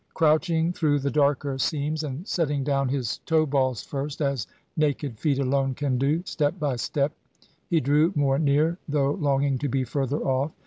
Crouching through the darker seams, and setting down his toe balls first, as naked feet alone can do, step by step he drew more near, though longing to be further off.